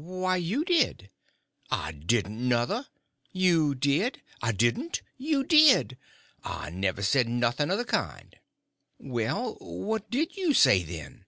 "Why, you did." "I didn't nuther." "You did!" "I didn't." "You did." "I never said nothing of the kind." "Well, what did you say, then?"